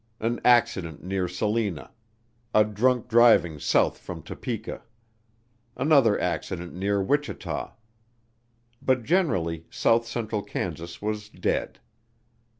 An accident near Salina. A drunk driving south from Topeka. Another accident near Wichita. But generally South Central Kansas was dead.